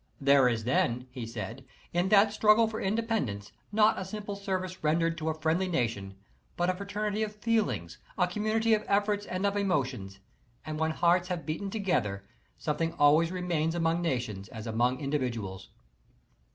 There is then, he said, in that struggle for independence, not a simple service ren dered to a friendly nation, but a fraternity of feelings, a community of efforts and of emotions ; and when hearts have beaten together something always remains among nations as among individuals.